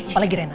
apalagi rena ya